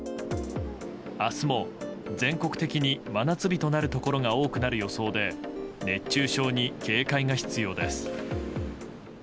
明日も、全国的に真夏日となるところが多くなる予想で熱中症に警戒が必要です。